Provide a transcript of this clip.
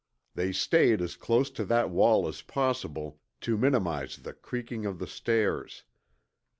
They stayed as close to that wall as possible to minimize the creaking of the stairs.